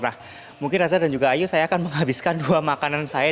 nah mungkin reza dan juga ayu saya akan menghabiskan dua makanan saya